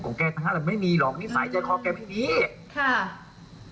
ความจริงนะทฤษภพรองเนี่ยแกเป็นคนแบบนี้อยู่แล้ว